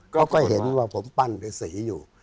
เขาก็เห็นว่าผมปั้นเป็นสีอยู่